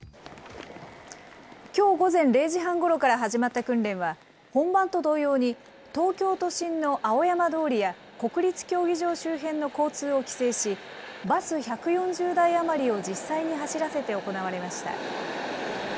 きょう午前０時半ごろから始まった訓練は、本番と同様に、東京都心の青山通りや国立競技場周辺の交通を規制し、バス１４０台余りを実際に走らせて行われました。